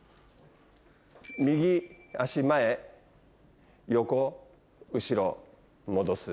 右足前横後ろ戻す。